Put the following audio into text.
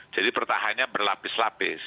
jadi pertahannya berlapis lapis